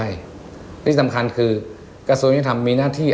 ใช่ที่สำคัญคือกระทรวงยุทธรรมมีหน้าที่